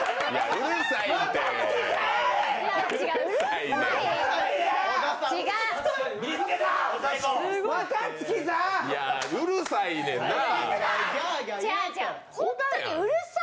うるさいねんなぁ。